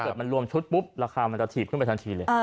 มันรวมชุดปุ๊บราคามันจะถีบขึ้นไปทันทีเลย